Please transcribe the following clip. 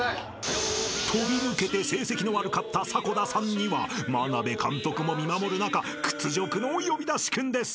［飛び抜けて成績の悪かった迫田さんには眞鍋監督も見守る中屈辱の呼び出しクンです］